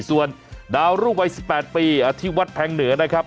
ส่วนดาวน์รูปวัยสิบแปดปีที่วัดแพงเหนือนะครับ